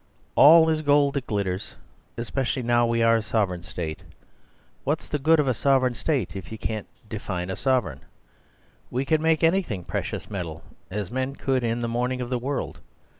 "All is gold that glitters— especially now we are a Sovereign State. What's the good of a Sovereign State if you can't define a sovereign? We can make anything a precious metal, as men could in the morning of the world.